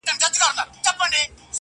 o زۀ خپله خان یمه خان څۀ ته وایي ,